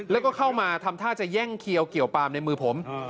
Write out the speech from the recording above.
แล้วก็เข้ามาทำท่าจะแย่งเขียวเกี่ยวปามในมือผม